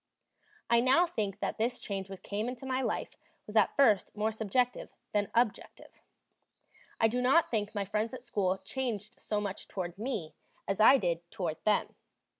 I now think that this change which came into my life was at first more subjective than objective. I do not think my friends at school changed so much toward me as I did toward them.